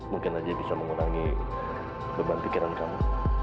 mungkin aja bisa mengurangi beban pikiran kamu